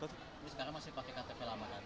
jadi sekarang masih pakai ktp lama